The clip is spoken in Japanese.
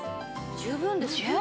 十分ですね。